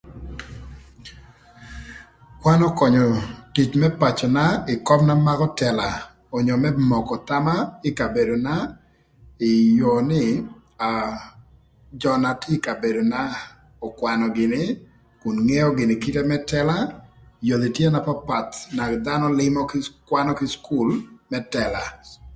Kwan ökönyö tic më pacöna ï köp na makö tëla onyo më moko thama ï kabedona ï yoo nï aa jö na tye ï kabedona ökwanö gïnï kun ngeo gïnï kite më tëla yodhi tye na papath na dhanö lïmö gïnï kwanö kï cukul më tëla.